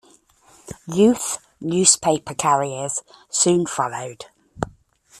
Youth newspaper carriers soon followed.